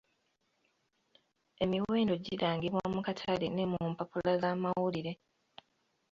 Emiwendo girangibwa mu katale ne mu mpapula z'amawulire.